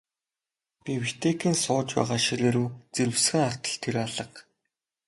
Би Витекийн сууж байгаа ширээ рүү зэрвэсхэн хартал тэр алга.